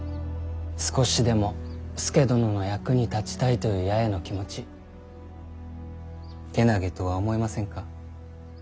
少しでも佐殿の役に立ちたいという八重の気持ちけなげとは思いませんか。